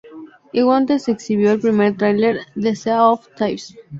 Igualmente se exhibió el primer trailer de Sea of Thieves.